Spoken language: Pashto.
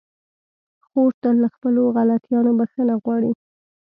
خور تل له خپلو غلطيانو بخښنه غواړي.